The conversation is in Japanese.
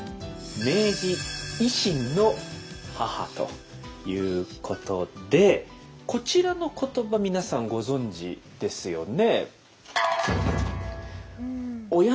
明治維新の母ということでこちらの言葉皆さんご存じですよね。